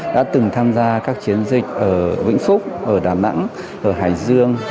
đã từng tham gia các chiến dịch ở vĩnh phúc ở đà nẵng ở hải dương